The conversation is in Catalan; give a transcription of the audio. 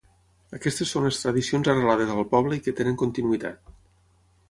Aquestes són les tradicions arrelades al poble i que tenen continuïtat.